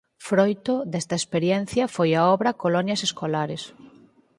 Froito desta experiencia foi a obra "Colonias escolares.